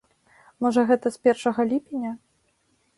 Можа гэта з першага ліпеня?